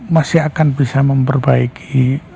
masih akan bisa memperbaiki